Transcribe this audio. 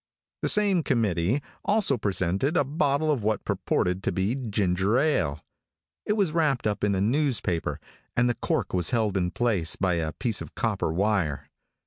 The same committee also presented a bottle of what purported to be ginger ale. It was wrapped up in a newspaper, and the cork was held in place by a piece of copper wire.